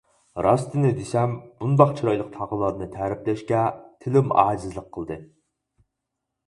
راستىنى دېسەم بۇنداق چىرايلىق تاغلارنى تەرىپلەشكە تىلىم ئاجىزلىق قىلدى.